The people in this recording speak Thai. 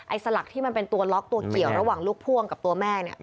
สลักที่มันเป็นตัวล็อกตัวเกี่ยวระหว่างลูกพ่วงกับตัวแม่เนี่ย